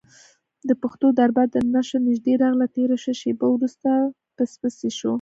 د پښو دربا درنه شوه نږدې راغله تیره شوه شېبه وروسته پسپسی شو،